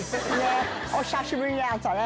お久しぶりねあんたね。